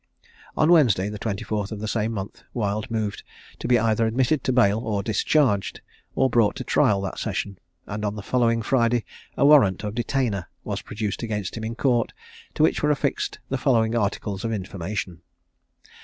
On Wednesday, the 24th of the same month, Wild moved to be either admitted to bail or discharged, or brought to trial that session; and on the following Friday a warrant of detainer was produced against him in Court, to which were affixed the following articles of information: I.